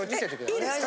いいですか？